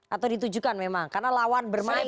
atau ditujukan memang karena lawan bermain